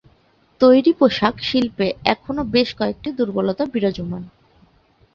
তৈরি পোশাক শিল্পে এখনো বেশ কয়েকটি দুর্বলতা বিরাজমান।